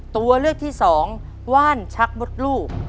ตัวเลือกที่สองว่านชักมดลูก